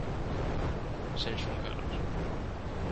Sen xulgalos.